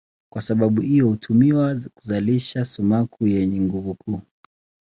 Kwa sababu hiyo hutumiwa kuzalisha sumaku zenye nguvu kuu.